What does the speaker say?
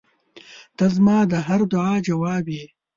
• ته زما د هر دعا جواب یې.